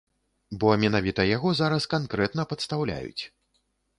Бо менавіта яго зараз канкрэтна падстаўляюць.